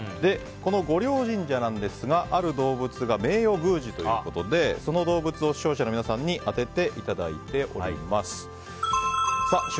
この御霊神社なんですがある動物が名誉宮司ということでその動物を視聴者の皆さんに当てていただいております。